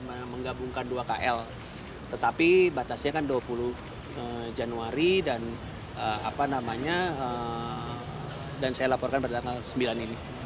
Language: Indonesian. yang menggabungkan dua kl tetapi batasnya kan dua puluh januari dan saya laporkan pada tanggal sembilan ini